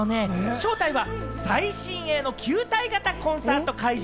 正体は最新鋭の球体型コンサート会場